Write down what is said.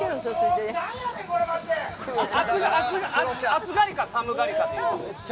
暑がりか寒がりかでいうと？